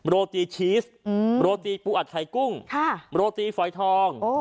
โรตีชีสโรตีปูอัดไข่กุ้งโรตีฝอยทอง